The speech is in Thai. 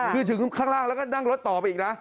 คือถึงข้างล่างแล้วก็นั่งรถต่อไปอีกนะ